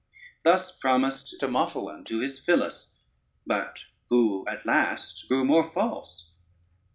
Thus promised Demophoon to his Phyllis, but who at last grew more false?"